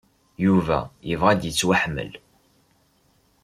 Yuba yebɣa ad yettwaḥemmel.